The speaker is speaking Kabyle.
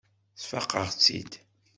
Sfaqeɣ-tt-id.